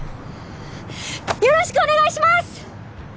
よろしくお願いします！